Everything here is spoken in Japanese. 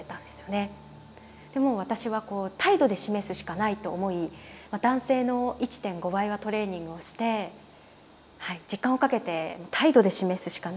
でもう私はこう態度で示すしかないと思い男性の１．５倍はトレーニングをしてはい時間をかけて態度で示すしかないと思いましたね。